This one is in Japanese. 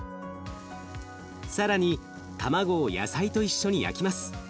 更に卵を野菜と一緒に焼きます。